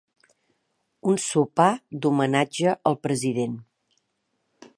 Un sopar d'homenatge al president.